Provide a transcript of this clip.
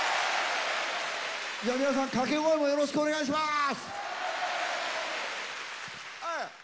じゃあ皆さん掛け声もよろしくお願いします。